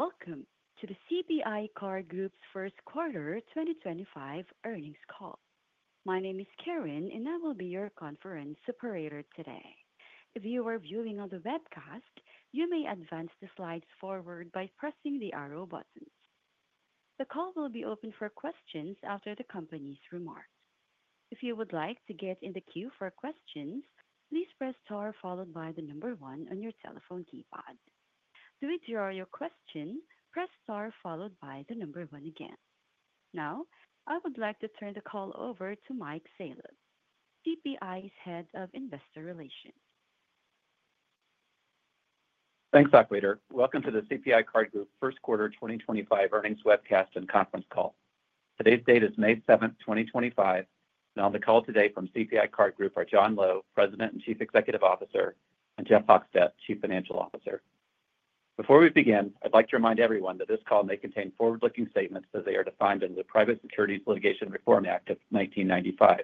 Welcome to the CPI Card Group's first quarter 2025 earnings call. My name is Karen, and I will be your conference operator today. If you are viewing on the webcast, you may advance the slides forward by pressing the arrow buttons. The call will be open for questions after the company's remarks. If you would like to get in the queue for questions, please press star followed by the number one on your telephone keypad. To withdraw your question, press star followed by the number one again. Now, I would like to turn the call over to Mike Salop, CPI's Head of Investor Relations. Thanks, Akweter. Welcome to the CPI Card Group first quarter 2025 earnings webcast and conference call. Today's date is May 7th, 2025, and on the call today from CPI Card Group are John Lowe, President and Chief Executive Officer, and Jeff Hochstad, Chief Financial Officer. Before we begin, I'd like to remind everyone that this call may contain forward-looking statements as they are defined in the Private Securities Litigation Reform Act of 1995.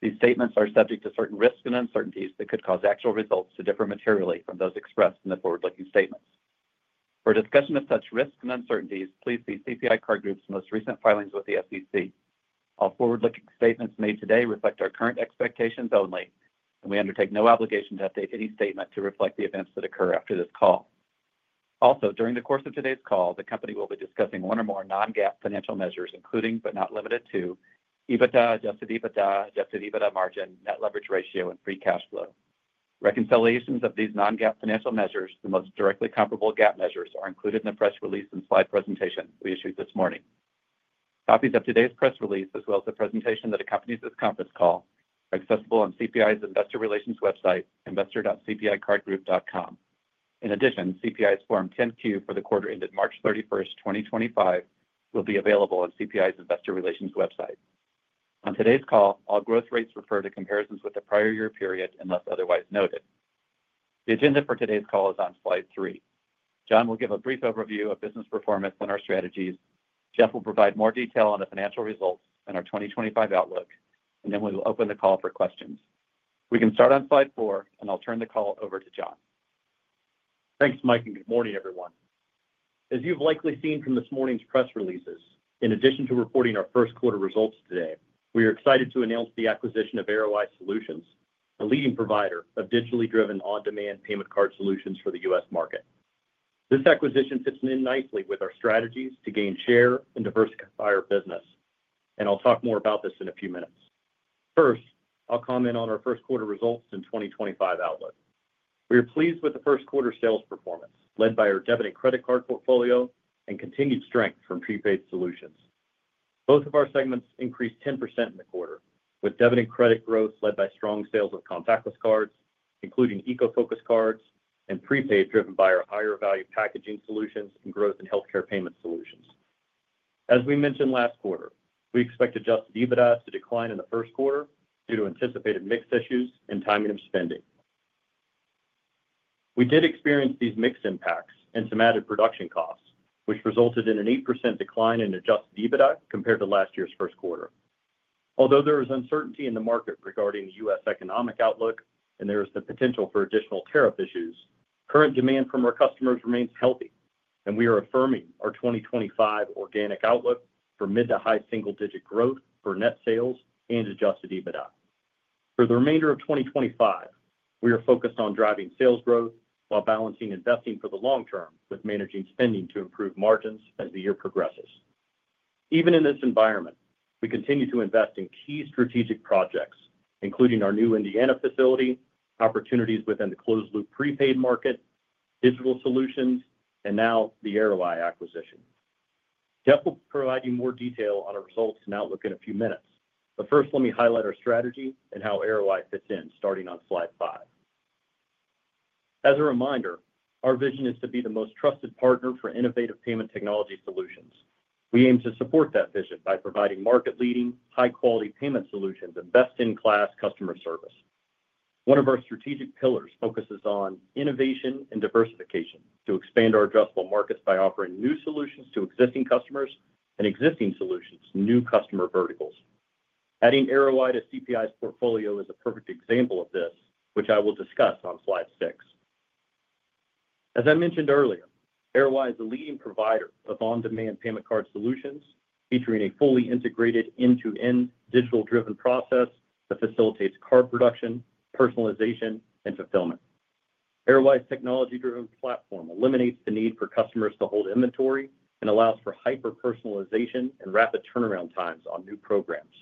These statements are subject to certain risks and uncertainties that could cause actual results to differ materially from those expressed in the forward-looking statements. For discussion of such risks and uncertainties, please see CPI Card Group's most recent filings with the SEC. All forward-looking statements made today reflect our current expectations only, and we undertake no obligation to update any statement to reflect the events that occur after this call. Also, during the course of today's call, the company will be discussing one or more non-GAAP financial measures, including but not limited to EBITDA, adjusted EBITDA, adjusted EBITDA margin, net leverage ratio, and free cash flow. Reconciliations of these non-GAAP financial measures, the most directly comparable GAAP measures, are included in the press release and slide presentation we issued this morning. Copies of today's press release, as well as the presentation that accompanies this conference call, are accessible on CPI's investor relations website, investor.cpicardgroup.com. In addition, CPI's Form 10-Q for the quarter ended March 31, 2025, will be available on CPI's investor relations website. On today's call, all growth rates refer to comparisons with the prior year period unless otherwise noted. The agenda for today's call is on slide three. John will give a brief overview of business performance and our strategies. Jeff will provide more detail on the financial results and our 2025 outlook, and then we will open the call for questions. We can start on slide four, and I'll turn the call over to John. Thanks, Mike, and good morning, everyone. As you've likely seen from this morning's press releases, in addition to reporting our first quarter results today, we are excited to announce the acquisition of Arroweye Solutions, a leading provider of digitally driven on-demand payment card solutions for the U.S. market. This acquisition fits in nicely with our strategies to gain share and diversify our business, and I'll talk more about this in a few minutes. First, I'll comment on our first quarter results and 2025 outlook. We are pleased with the first quarter sales performance, led by our debit and credit card portfolio and continued strength from prepaid solutions. Both of our segments increased 10% in the quarter, with debit and credit growth led by strong sales of contactless cards, including EcoFocus cards, and prepaid driven by our higher value packaging solutions and growth in healthcare payment solutions. As we mentioned last quarter, we expect adjusted EBITDA to decline in the first quarter due to anticipated mix issues and timing of spending. We did experience these mix impacts and some added production costs, which resulted in an 8% decline in adjusted EBITDA compared to last year's first quarter. Although there is uncertainty in the market regarding the U.S. economic outlook and there is the potential for additional tariff issues, current demand from our customers remains healthy, and we are affirming our 2025 organic outlook for mid to high single-digit growth for net sales and adjusted EBITDA. For the remainder of 2025, we are focused on driving sales growth while balancing investing for the long term with managing spending to improve margins as the year progresses. Even in this environment, we continue to invest in key strategic projects, including our new Indiana facility, opportunities within the closed-loop prepaid market, digital solutions, and now the Arroweye acquisition. Jeff will provide you more detail on our results and outlook in a few minutes, but first, let me highlight our strategy and how Arroweye fits in, starting on slide five. As a reminder, our vision is to be the most trusted partner for innovative payment technology solutions. We aim to support that vision by providing market-leading, high-quality payment solutions and best-in-class customer service. One of our strategic pillars focuses on innovation and diversification to expand our addressable markets by offering new solutions to existing customers and existing solutions to new customer verticals. Adding Arroweye to CPI's portfolio is a perfect example of this, which I will discuss on slide six. As I mentioned earlier, Arroweye Solutions is the leading provider of on-demand payment card solutions, featuring a fully integrated end-to-end digital-driven process that facilitates card production, personalization, and fulfillment. Arroweye Solutions' technology-driven platform eliminates the need for customers to hold inventory and allows for hyper-personalization and rapid turnaround times on new programs.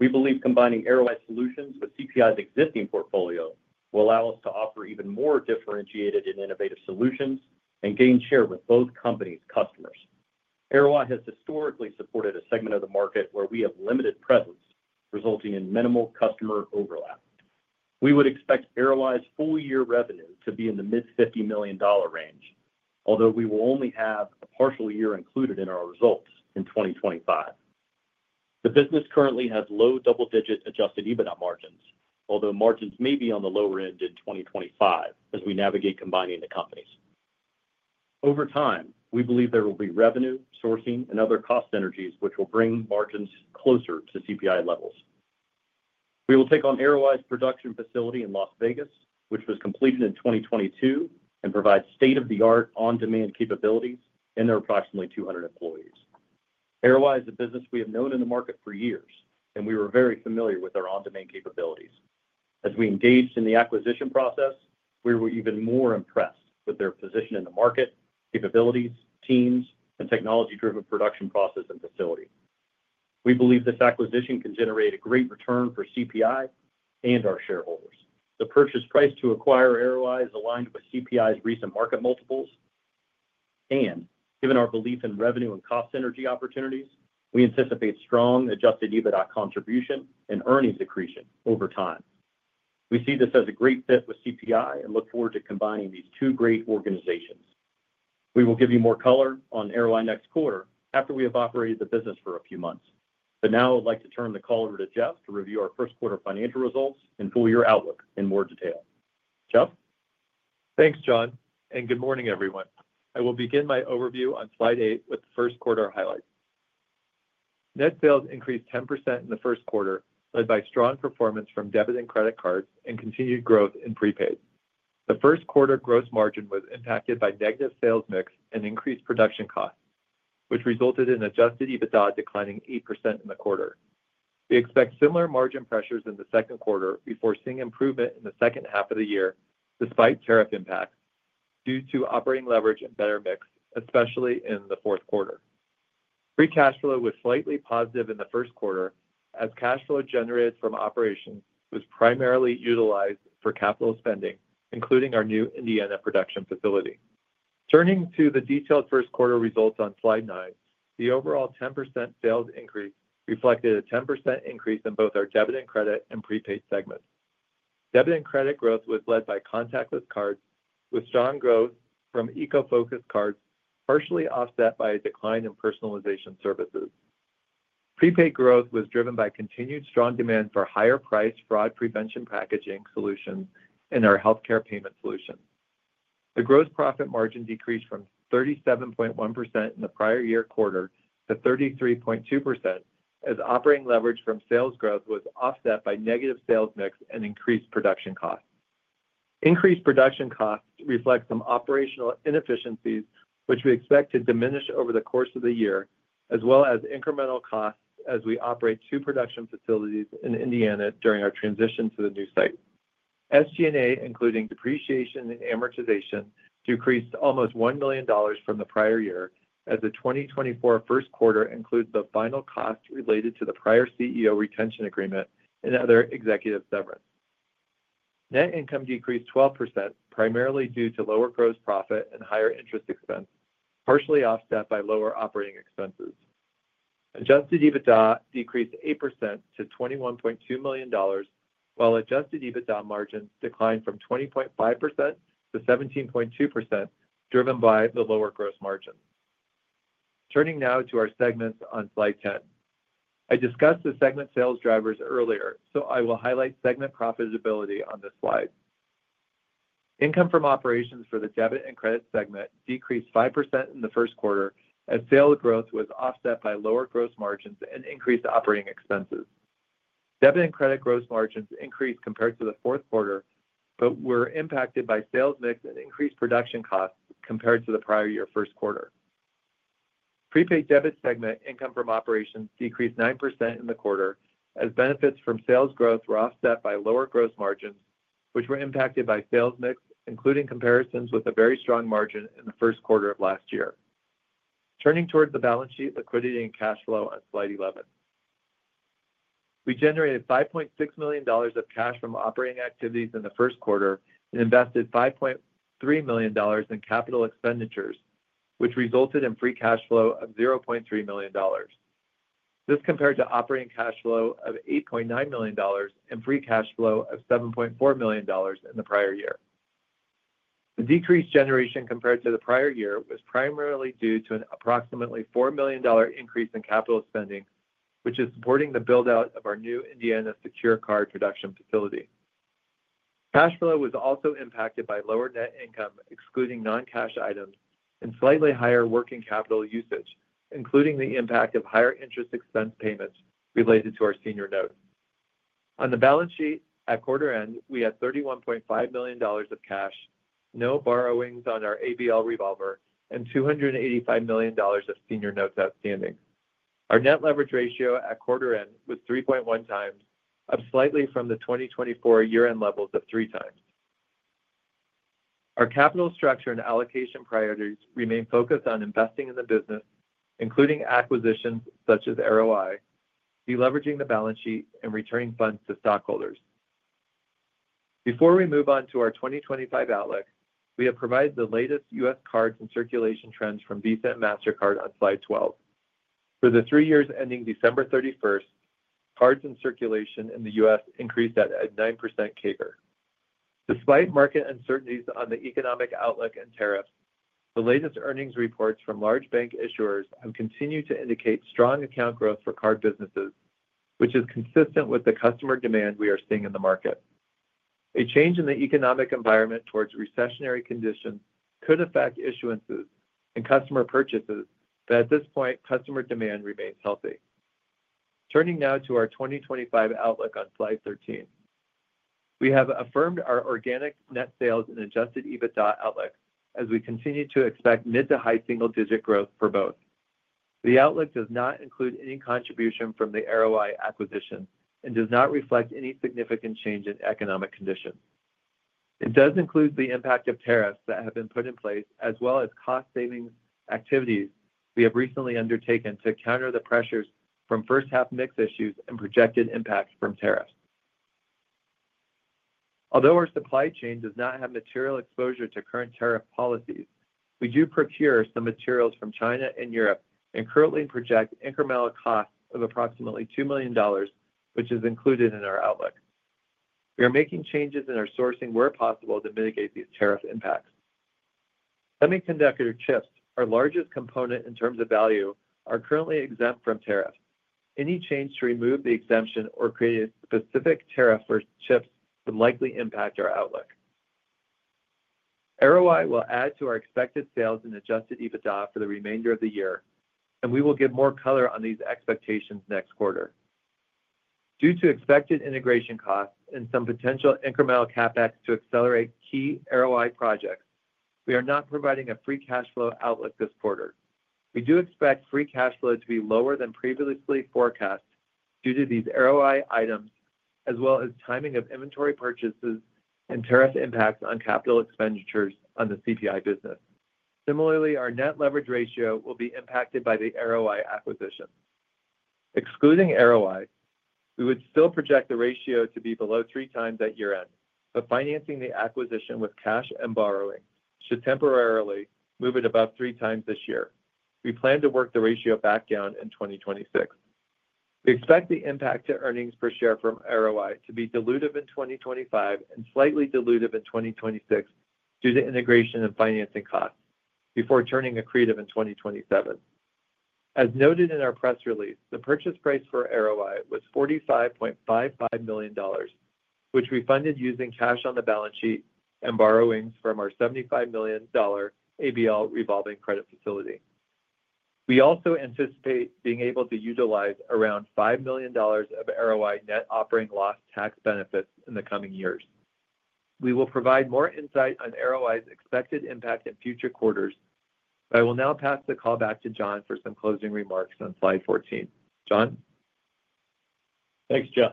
We believe combining Arroweye Solutions with CPI's existing portfolio will allow us to offer even more differentiated and innovative solutions and gain share with both companies' customers. Arroweye Solutions has historically supported a segment of the market where we have limited presence, resulting in minimal customer overlap. We would expect Arroweye Solutions' full-year revenue to be in the mid-$50 million range, although we will only have a partial year included in our results in 2025. The business currently has low double-digit adjusted EBITDA margins, although margins may be on the lower end in 2025 as we navigate combining the companies. Over time, we believe there will be revenue, sourcing, and other cost synergies which will bring margins closer to CPI levels. We will take on Arroweye's production facility in Las Vegas, which was completed in 2022 and provides state-of-the-art on-demand capabilities and there are approximately 200 employees. Arroweye is a business we have known in the market for years, and we were very familiar with their on-demand capabilities. As we engaged in the acquisition process, we were even more impressed with their position in the market, capabilities, teams, and technology-driven production process and facility. We believe this acquisition can generate a great return for CPI and our shareholders. The purchase price to acquire Arroweye is aligned with CPI's recent market multiples, and given our belief in revenue and cost synergy opportunities, we anticipate strong adjusted EBITDA contribution and earnings accretion over time. We see this as a great fit with CPI and look forward to combining these two great organizations. We will give you more color on Arroweye next quarter after we have operated the business for a few months, but now I'd like to turn the call over to Jeff to review our first quarter financial results and full-year outlook in more detail. Jeff? Thanks, John, and good morning, everyone. I will begin my overview on slide eight with the first quarter highlights. Net sales increased 10% in the first quarter, led by strong performance from debt and credit cards and continued growth in prepaid. The first quarter gross margin was impacted by negative sales mix and increased production costs, which resulted in adjusted EBITDA declining 8% in the quarter. We expect similar margin pressures in the second quarter before seeing improvement in the second half of the year despite tariff impacts due to operating leverage and better mix, especially in the fourth quarter. Free cash flow was slightly positive in the first quarter as cash flow generated from operations was primarily utilized for capital spending, including our new Indiana production facility. Turning to the detailed first quarter results on slide nine, the overall 10% sales increase reflected a 10% increase in both our debit and credit and prepaid segments. Debit and credit growth was led by contactless cards, with strong growth from EcoFocus cards, partially offset by a decline in personalization services. Prepaid growth was driven by continued strong demand for higher-priced fraud prevention packaging solutions and our healthcare payment solutions. The gross profit margin decreased from 37.1% in the prior year quarter to 33.2% as operating leverage from sales growth was offset by negative sales mix and increased production costs. Increased production costs reflect some operational inefficiencies, which we expect to diminish over the course of the year, as well as incremental costs as we operate two production facilities in Indiana during our transition to the new site. SG&A, including depreciation and amortization, decreased almost $1 million from the prior year as the 2024 first quarter includes the final costs related to the prior CEO retention agreement and other executive severance. Net income decreased 12%, primarily due to lower gross profit and higher interest expense, partially offset by lower operating expenses. Adjusted EBITDA decreased 8% to $21.2 million, while adjusted EBITDA margins declined from 20.5% to 17.2%, driven by the lower gross margin. Turning now to our segments on slide 10, I discussed the segment sales drivers earlier, so I will highlight segment profitability on this slide. Income from operations for the debit and credit segment decreased 5% in the first quarter as sales growth was offset by lower gross margins and increased operating expenses. Debt and credit gross margins increased compared to the fourth quarter, but were impacted by sales mix and increased production costs compared to the prior year first quarter. Prepaid debit segment income from operations decreased 9% in the quarter as benefits from sales growth were offset by lower gross margins, which were impacted by sales mix, including comparisons with a very strong margin in the first quarter of last year. Turning towards the balance sheet, liquidity and cash flow on slide 11. We generated $5.6 million of cash from operating activities in the first quarter and invested $5.3 million in capital expenditures, which resulted in free cash flow of $0.3 million. This compared to operating cash flow of $8.9 million and free cash flow of $7.4 million in the prior year. The decreased generation compared to the prior year was primarily due to an approximately $4 million increase in capital spending, which is supporting the build-out of our new Indiana Secure Card production facility. Cash flow was also impacted by lower net income, excluding non-cash items, and slightly higher working capital usage, including the impact of higher interest expense payments related to our senior notes. On the balance sheet, at quarter end, we had $31.5 million of cash, no borrowings on our ABL revolver, and $285 million of senior notes outstanding. Our net leverage ratio at quarter end was 3.1x, up slightly from the 2024 year-end levels of 3x. Our capital structure and allocation priorities remain focused on investing in the business, including acquisitions such as Arroweye, deleveraging the balance sheet, and returning funds to stockholders. Before we move on to our 2025 outlook, we have provided the latest U.S. cards and circulation trends from Visa and Mastercard on slide 12. For the three years ending December 31, cards in circulation in the U.S. increased at a 9% CAGR. Despite market uncertainties on the economic outlook and tariffs, the latest earnings reports from large bank issuers have continued to indicate strong account growth for card businesses, which is consistent with the customer demand we are seeing in the market. A change in the economic environment towards recessionary conditions could affect issuances and customer purchases, but at this point, customer demand remains healthy. Turning now to our 2025 outlook on slide 13, we have affirmed our organic net sales and adjusted EBITDA outlook as we continue to expect mid-to-high single-digit growth for both. The outlook does not include any contribution from the Arroweye acquisition and does not reflect any significant change in economic conditions. It does include the impact of tariffs that have been put in place, as well as cost-saving activities we have recently undertaken to counter the pressures from first-half mix issues and projected impact from tariffs. Although our supply chain does not have material exposure to current tariff policies, we do procure some materials from China and Europe and currently project incremental costs of approximately $2 million, which is included in our outlook. We are making changes in our sourcing where possible to mitigate these tariff impacts. Semiconductor chips, our largest component in terms of value, are currently exempt from tariffs. Any change to remove the exemption or create a specific tariff for chips would likely impact our outlook. Arroweye will add to our expected sales and adjusted EBITDA for the remainder of the year, and we will give more color on these expectations next quarter. Due to expected integration costs and some potential incremental CapEx to accelerate key Arroweye projects, we are not providing a free cash flow outlook this quarter. We do expect free cash flow to be lower than previously forecast due to these Arroweye items, as well as timing of inventory purchases and tariff impacts on capital expenditures on the CPI business. Similarly, our net leverage ratio will be impacted by the Arroweye acquisition. Excluding Arroweye, we would still project the ratio to be below three times at year-end, but financing the acquisition with cash and borrowing should temporarily move it above three times this year. We plan to work the ratio back down in 2026. We expect the impact to earnings per share from Arroweye to be dilutive in 2025 and slightly dilutive in 2026 due to integration and financing costs before turning accretive in 2027. As noted in our press release, the purchase price for Arroweye was $45.55 million, which we funded using cash on the balance sheet and borrowings from our $75 million ABL revolving credit facility. We also anticipate being able to utilize around $5 million of Arroweye net operating loss tax benefits in the coming years. We will provide more insight on Arroweye's expected impact in future quarters, but I will now pass the call back to John for some closing remarks on slide 14. John? Thanks, Jeff.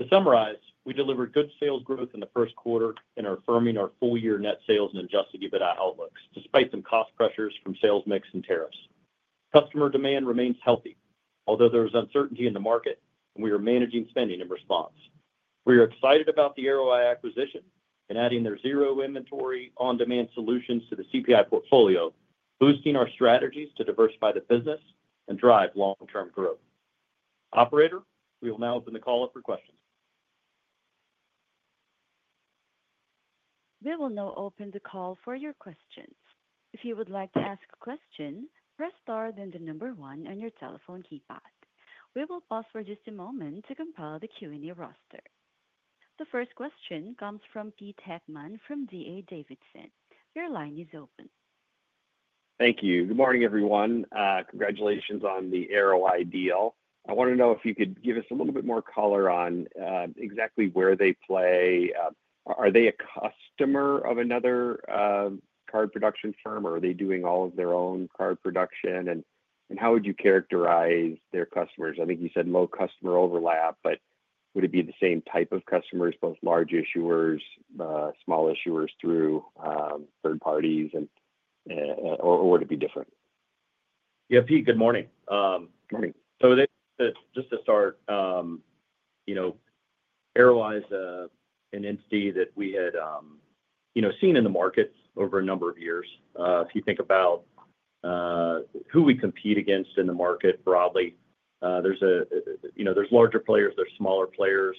To summarize, we delivered good sales growth in the first quarter in affirming our full-year net sales and adjusted EBITDA outlooks despite some cost pressures from sales mix and tariffs. Customer demand remains healthy, although there is uncertainty in the market, and we are managing spending in response. We are excited about the Arroweye acquisition and adding their zero-inventory on-demand solutions to the CPI portfolio, boosting our strategies to diversify the business and drive long-term growth. Operator, we will now open the call up for questions. We will now open the call for your questions. If you would like to ask a question, press star then the number one on your telephone keypad. We will pause for just a moment to compile the Q&A roster. The first question comes from Pete Heckmann from D.A. Davidson. Your line is open. Thank you. Good morning, everyone. Congratulations on the Arroweye deal. I want to know if you could give us a little bit more color on exactly where they play. Are they a customer of another card production firm, or are they doing all of their own card production? How would you characterize their customers? I think you said low customer overlap, but would it be the same type of customers, both large issuers, small issuers through third parties, or would it be different? Yeah, Pete, good morning. Morning. Just to start, Arroweye is an entity that we had seen in the markets over a number of years. If you think about who we compete against in the market broadly, there are larger players, there are smaller players.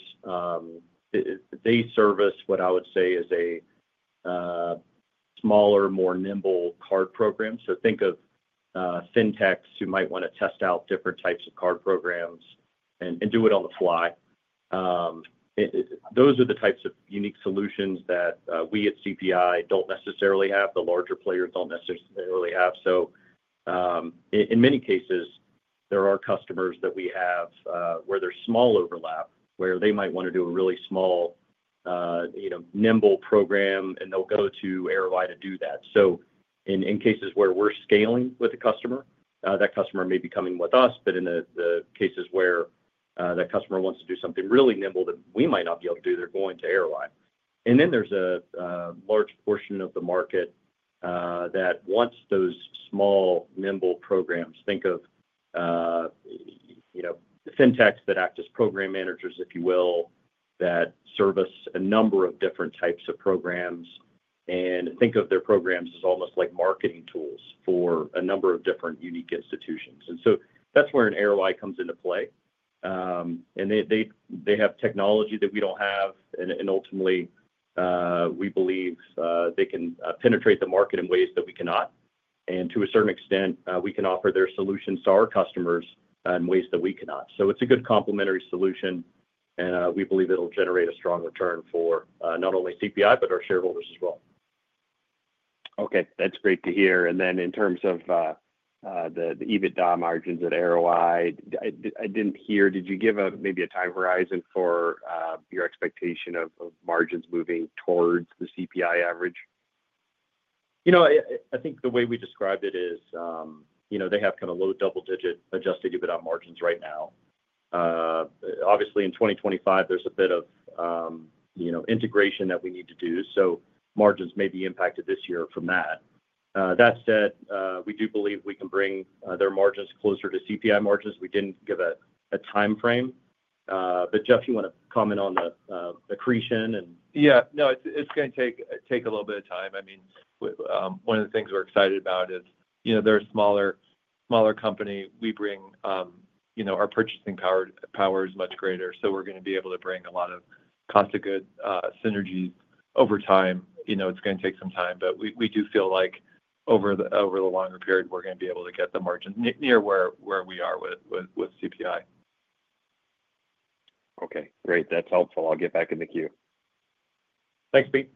They service what I would say is a smaller, more nimble card program. Think of fintechs who might want to test out different types of card programs and do it on the fly. Those are the types of unique solutions that we at CPI don't necessarily have, the larger players don't necessarily have. In many cases, there are customers that we have where there is small overlap, where they might want to do a really small, nimble program, and they'll go to Arroweye to do that. In cases where we're scaling with the customer, that customer may be coming with us, but in the cases where that customer wants to do something really nimble that we might not be able to do, they're going to Arroweye. There is a large portion of the market that wants those small, nimble programs. Think of fintechs that act as program managers, if you will, that service a number of different types of programs. Think of their programs as almost like marketing tools for a number of different unique institutions. That is where an Arroweye comes into play. They have technology that we don't have, and ultimately, we believe they can penetrate the market in ways that we cannot. To a certain extent, we can offer their solutions to our customers in ways that we cannot. It is a good complementary solution, and we believe it will generate a strong return for not only CPI, but our shareholders as well. Okay. That's great to hear. In terms of the EBITDA margins at Arroweye, I didn't hear, did you give maybe a time horizon for your expectation of margins moving towards the CPI average? You know, I think the way we described it is they have kind of low double-digit adjusted EBITDA margins right now. Obviously, in 2025, there's a bit of integration that we need to do, so margins may be impacted this year from that. That said, we do believe we can bring their margins closer to CPI margins. We didn't give a time frame. But Jeff, you want to comment on the accretion and? Yeah. No, it's going to take a little bit of time. I mean, one of the things we're excited about is they're a smaller company. We bring our purchasing power is much greater, so we're going to be able to bring a lot of cost-to-good synergies over time. It's going to take some time, but we do feel like over the longer period, we're going to be able to get the margins near where we are with CPI. Okay. Great. That's helpful. I'll get back in the queue. Thanks, Pete.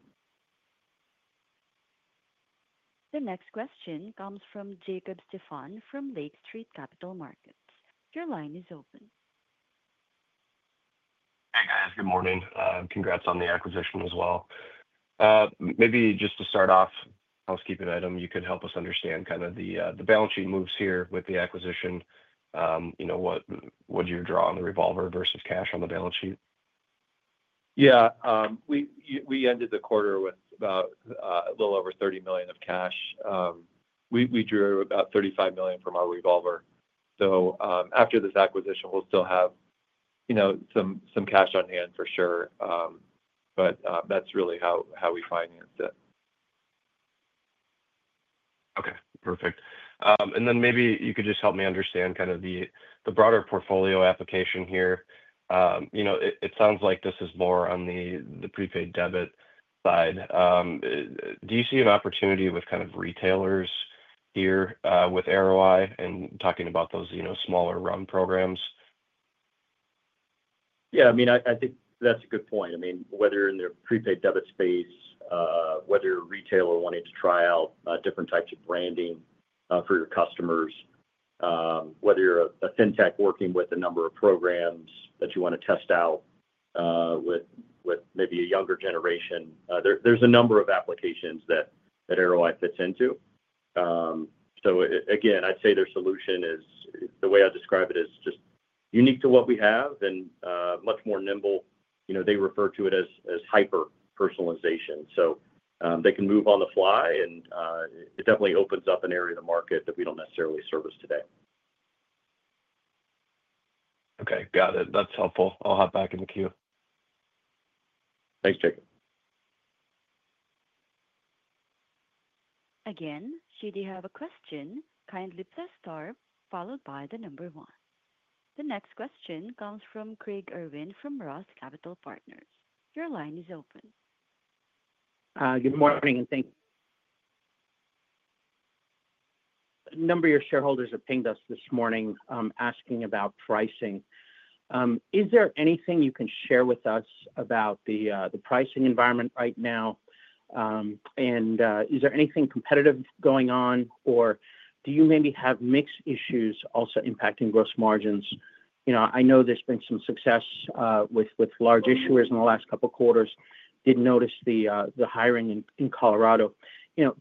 The next question comes from Jacob Stephan from Lake Street Capital Markets. Your line is open. Hey, guys. Good morning. Congrats on the acquisition as well. Maybe just to start off, housekeeping item, you could help us understand kind of the balance sheet moves here with the acquisition. What did you draw on the revolver versus cash on the balance sheet? Yeah. We ended the quarter with a little over $30 million of cash. We drew about $35 million from our revolver. After this acquisition, we'll still have some cash on hand for sure, but that's really how we financed it. Okay. Perfect. Maybe you could just help me understand kind of the broader portfolio application here. It sounds like this is more on the prepaid debit side. Do you see an opportunity with kind of retailers here with Arroweye and talking about those smaller-run programs? Yeah. I mean, I think that's a good point. I mean, whether in the prepaid debit space, whether retailer wanting to try out different types of branding for your customers, whether you're a fintech working with a number of programs that you want to test out with maybe a younger generation, there's a number of applications that Arroweye fits into. Again, I'd say their solution is, the way I describe it, is just unique to what we have and much more nimble. They refer to it as hyper-personalization. They can move on the fly, and it definitely opens up an area of the market that we don't necessarily service today. Okay. Got it. That's helpful. I'll hop back in the queue. Thanks, Jacob. Again, should you have a question, kindly press star followed by the number one. The next question comes from Craig Irwin from Ross Capital Partners. Your line is open. Good morning. Thank you. A number of your shareholders have pinged us this morning asking about pricing. Is there anything you can share with us about the pricing environment right now? Is there anything competitive going on, or do you maybe have mixed issues also impacting gross margins? I know there's been some success with large issuers in the last couple of quarters. Did notice the hiring in Colorado.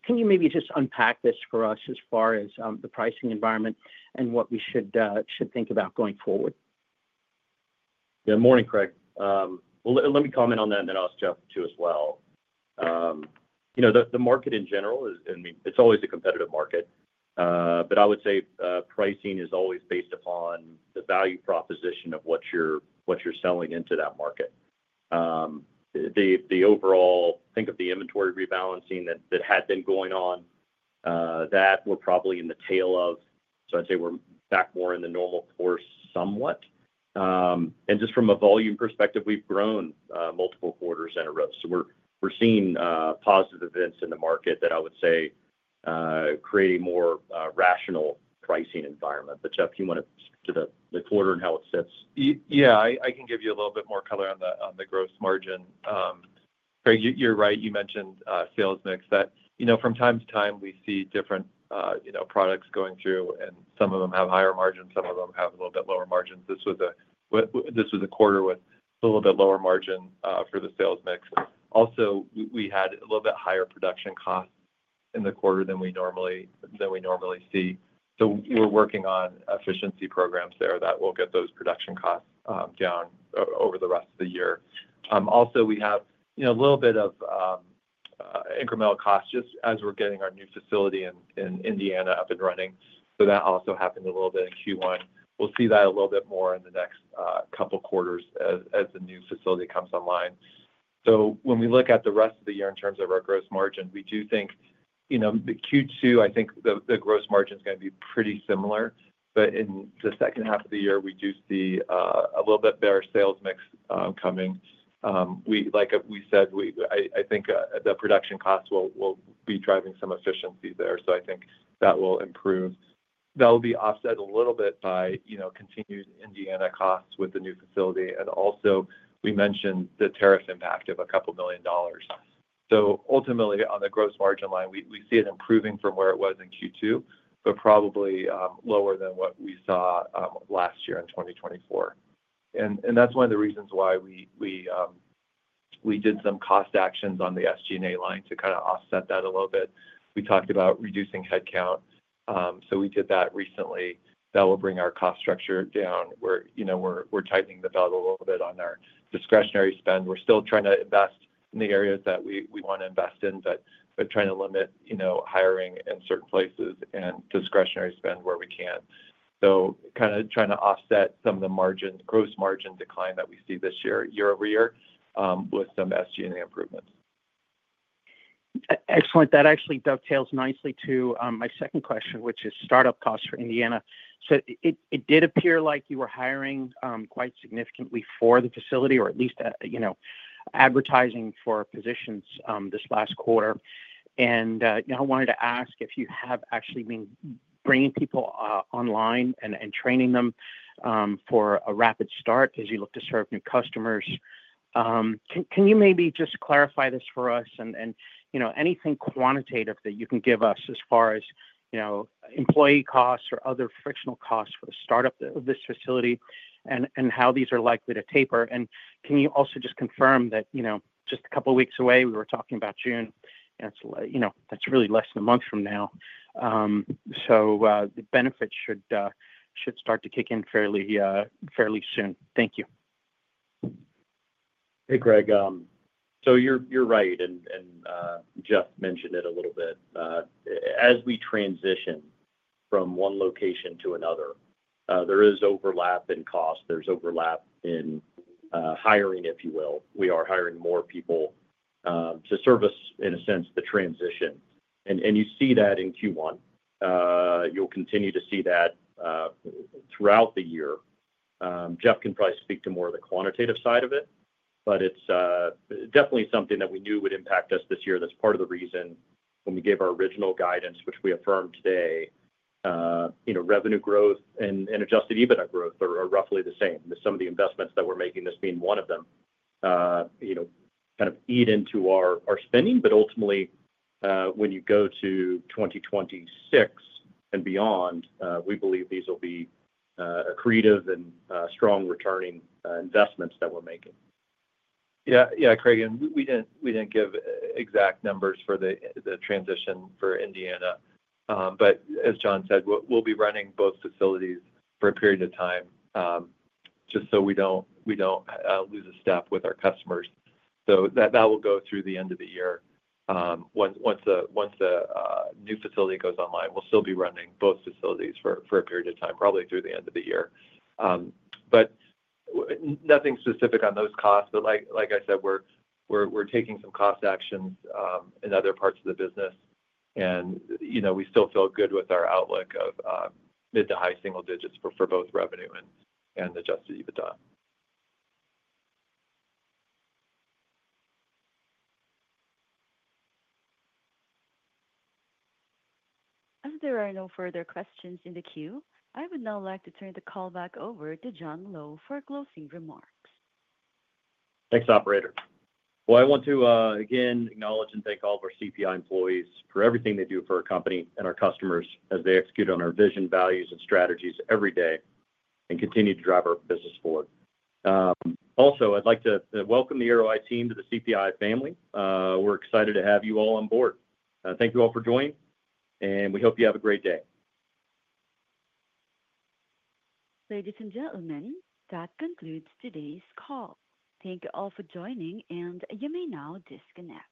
Can you maybe just unpack this for us as far as the pricing environment and what we should think about going forward? Yeah. Morning, Craig. Let me comment on that, and then I'll ask Jeff too as well. The market in general, I mean, it's always a competitive market, but I would say pricing is always based upon the value proposition of what you're selling into that market. The overall, think of the inventory rebalancing that had been going on, that we're probably in the tail of. I'd say we're back more in the normal course somewhat. Just from a volume perspective, we've grown multiple quarters in a row. We're seeing positive events in the market that I would say create a more rational pricing environment. Jeff, do you want to speak to the quarter and how it sits? Yeah. I can give you a little bit more color on the gross margin. Craig, you're right. You mentioned sales mix. From time to time, we see different products going through, and some of them have higher margins, some of them have a little bit lower margins. This was a quarter with a little bit lower margin for the sales mix. Also, we had a little bit higher production costs in the quarter than we normally see. We are working on efficiency programs there that will get those production costs down over the rest of the year. Also, we have a little bit of incremental costs just as we are getting our new facility in Indiana up and running. That also happened a little bit in Q1. We will see that a little bit more in the next couple of quarters as the new facility comes online. When we look at the rest of the year in terms of our gross margin, we do think Q2, I think the gross margin is going to be pretty similar. In the second half of the year, we do see a little bit better sales mix coming. Like we said, I think the production costs will be driving some efficiency there. I think that will improve. That will be offset a little bit by continued Indiana costs with the new facility. Also, we mentioned the tariff impact of a couple of million dollars. Ultimately, on the gross margin line, we see it improving from where it was in Q2, but probably lower than what we saw last year in 2024. That is one of the reasons why we did some cost actions on the SG&A line to kind of offset that a little bit. We talked about reducing headcount. So we did that recently. That will bring our cost structure down. We're tightening the belt a little bit on our discretionary spend. We're still trying to invest in the areas that we want to invest in, but trying to limit hiring in certain places and discretionary spend where we can. So kind of trying to offset some of the gross margin decline that we see this year year over year with some SG&A improvements. Excellent. That actually dovetails nicely to my second question, which is startup costs for Indiana. It did appear like you were hiring quite significantly for the facility, or at least advertising for positions this last quarter. I wanted to ask if you have actually been bringing people online and training them for a rapid start as you look to serve new customers. Can you maybe just clarify this for us and anything quantitative that you can give us as far as employee costs or other frictional costs for the startup of this facility and how these are likely to taper? Can you also just confirm that just a couple of weeks away, we were talking about June, and that's really less than a month from now. The benefits should start to kick in fairly soon. Thank you. Hey, Craig. You're right. Jeff mentioned it a little bit. As we transition from one location to another, there is overlap in cost. There's overlap in hiring, if you will. We are hiring more people to service, in a sense, the transition. You see that in Q1. You'll continue to see that throughout the year. Jeff can probably speak to more of the quantitative side of it, but it's definitely something that we knew would impact us this year. That's part of the reason when we gave our original guidance, which we affirmed today, revenue growth and adjusted EBITDA growth are roughly the same. Some of the investments that we're making, this being one of them, kind of eat into our spending. Ultimately, when you go to 2026 and beyond, we believe these will be accretive and strong returning investments that we're making. Yeah. Yeah, Craig. We didn't give exact numbers for the transition for Indiana. As John said, we'll be running both facilities for a period of time just so we don't lose a step with our customers. That will go through the end of the year. Once the new facility goes online, we'll still be running both facilities for a period of time, probably through the end of the year. Nothing specific on those costs. Like I said, we're taking some cost actions in other parts of the business, and we still feel good with our outlook of mid to high single digits for both revenue and adjusted EBITDA. As there are no further questions in the queue, I would now like to turn the call back over to John Lowe for closing remarks. Thanks, operator. I want to again acknowledge and thank all of our CPI employees for everything they do for our company and our customers as they execute on our vision, values, and strategies every day and continue to drive our business forward. Also, I'd like to welcome the Arroweye team to the CPI family. We're excited to have you all on board. Thank you all for joining, and we hope you have a great day. Ladies and gentlemen, that concludes today's call. Thank you all for joining, and you may now disconnect.